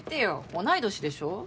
同い年でしょ。